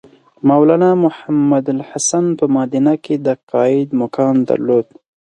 مولنا محمودالحسن په مدینه کې د قاید مقام درلود.